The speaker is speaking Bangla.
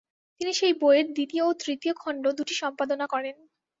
তিনি সেই বইয়ের দ্বিতীয় ও তৃতীয় খণ্ড-দুটি সম্পাদনা করেন।